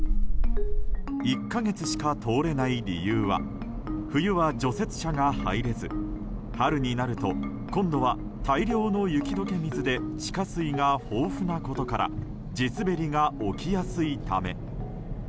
１か月しか通れない理由は冬は除雪車が入れず春になると今度は大量の雪解け水で地下水が豊富なことから地滑りが起きやすいため。